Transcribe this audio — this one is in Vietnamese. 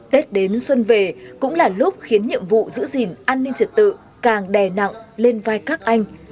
tết đến xuân về cũng là lúc khiến nhiệm vụ giữ gìn an ninh trật tự càng đè nặng lên vai các anh